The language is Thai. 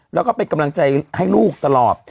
แล้วก็เป็นกำลังใจให้ลูกตลอด